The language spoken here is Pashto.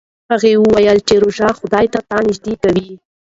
هغه وویل چې روژه خدای ته نژدې کوي.